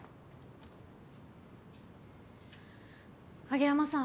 影山さん。